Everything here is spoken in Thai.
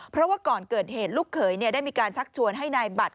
เพราะว่าก่อนเกิดเหตุลูกเขยได้มีการชักชวนให้นายบัตร